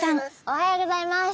おはようございます。